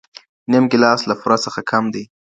نيم ګيلاس له پوره څخه کم دئ.